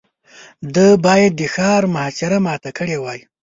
ده بايد د ښار محاصره ماته کړې وای.